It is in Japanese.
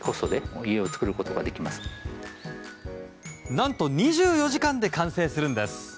何と２４時間で完成するんです。